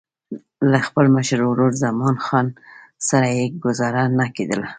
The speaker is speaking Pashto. له خپل مشر ورور زمان خان سره یې ګوزاره نه کېدله.